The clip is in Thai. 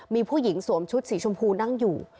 มีผู้หญิงสวมชุดสีชมพูนั่งอยู่